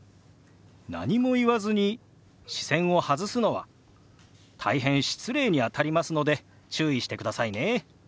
何も言わずに視線を外すのは大変失礼にあたりますので注意してくださいね。